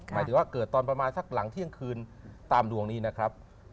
หมายถึงว่าเกิดตอนประมาณสักหลังเที่ยงคืนตามดวงนี้นะครับ